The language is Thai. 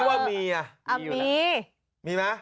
คิดว่ามีอ่ะมีเลยแล้วนะมีมั้ย